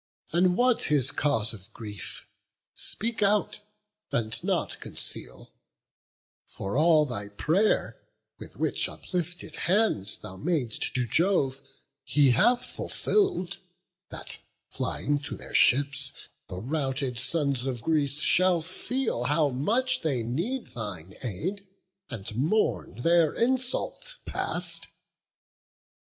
and what his cause of grief? Speak out, and nought conceal; for all thy pray'r Which with uplifted hands thou mad'st to Jove, He hath fulfill'd, that, flying to their ships, The routed sons of Greece should feel how much They need thine aid, and mourn their insult past."